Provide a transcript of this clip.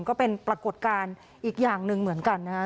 ก็เป็นปรากฏการณ์อีกอย่างหนึ่งเหมือนกันนะฮะ